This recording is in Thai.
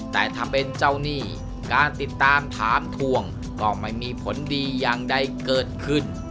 แต่ถ้าเป็นเจ้าหนี้การติดตามถามทวงก็ไม่มีผลดีอย่างใดเกิดขึ้น